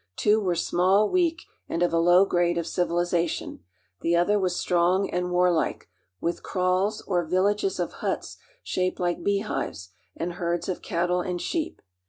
Two were small, weak, and , low grade of civilization ; the other was strong and warlike, with kraals or villages of huts shaped like bee hives, and herds of cattle and sheep.